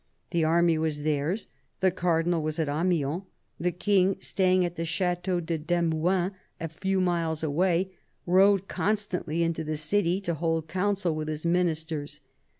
The army was theirs ; the Cardinal was at Amiens ; the King, staying at the Chateau de Demuin, a few miles away, rode constantly into the city to hold council with his Ministers.